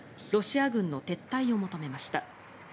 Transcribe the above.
ロシア軍の撤退を求めました。